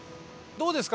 どうですか？